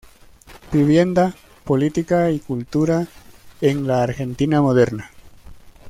Vivienda, política y cultura en la Argentina Moderna".